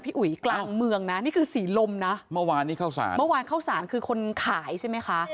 อุ๋ยกลางเมืองนะนี่คือศรีลมนะเมื่อวานนี้เข้าสารเมื่อวานเข้าสารคือคนขายใช่ไหมคะ